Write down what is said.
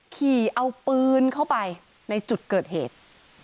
ขี่เอาปืนเข้าไปในจุดเกิดเหตุ